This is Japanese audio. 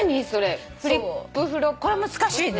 これ難しいね。